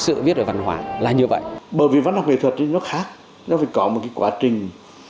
sự viết về văn hóa là như vậy bởi vì văn học nghệ thuật thì nó khác nó phải có một cái quá trình